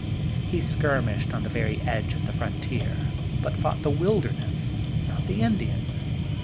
He skir mished on the very edge of the frontier, but fought the wilderness, not the Indian.